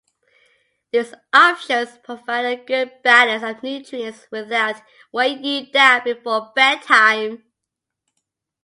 These options provide a good balance of nutrients without weighing you down before bedtime.